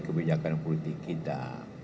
kebijakan politik kita